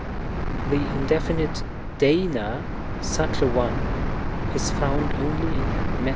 The indefinite δεῖνα, such a one, is found only in Matt.